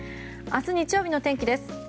明日日曜日の天気です。